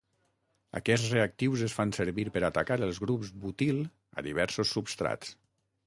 Aquests reactius es fan servir per atacar els grups butil a diversos substrats.